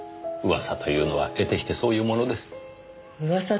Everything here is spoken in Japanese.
噂というのは得てしてそういうものです。